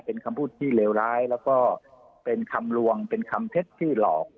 เป็นคำพูดที่เลวร้ายแล้วก็เป็นคำลวงเป็นคำเท็จที่หลอก